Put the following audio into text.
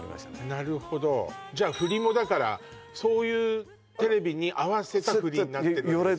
なるほどじゃあ振りもだからそういうテレビに合わせた振りになってるんですよね